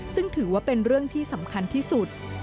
ซึ่งถือว่าเป็นเรื่องที่สำคัญที่สุด